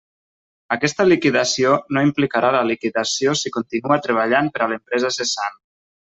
Aquesta liquidació no implicarà la liquidació si continua treballant per a l'empresa cessant.